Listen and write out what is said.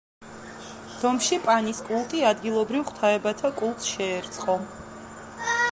რომში პანის კულტი ადგილობრივ ღვთაებათა კულტს შეერწყო.